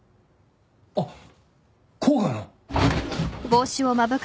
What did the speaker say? あっ甲賀の！？